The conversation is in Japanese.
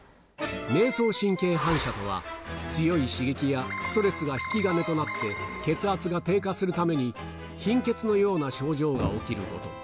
迷走神経反射とは、強い刺激やストレスが引き金となって、血圧が低下するために、貧血のような症状が起きること。